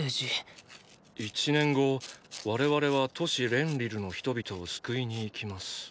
１年後我々は都市レンリルの人々を救いに行きます。